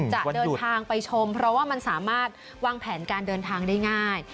จะเดินทางไปชมเพราะว่ามันสามารถวางแผนการเดินทางได้ง่าย